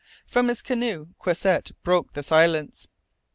From his canoe Croisset broke the silence.